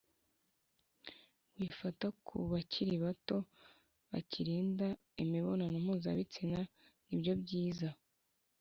wifata ku bakiri bato bakirinda imibonano mpuzabitsina ni byo byiza